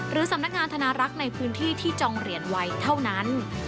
สำนักงานธนารักษ์ในพื้นที่ที่จองเหรียญไว้เท่านั้น